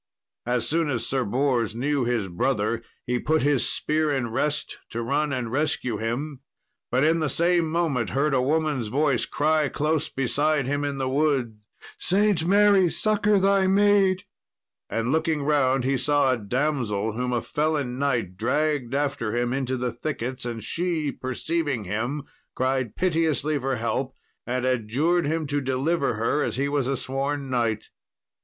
As soon as Sir Bors knew his brother, he put his spear in rest to run and rescue him; but in the same moment heard a woman's voice cry close beside him in the wood, "St. Mary, succour thy maid;" and, looking round, he saw a damsel whom a felon knight dragged after him into the thickets; and she, perceiving him, cried piteously for help, and adjured him to deliver her as he was a sworn knight.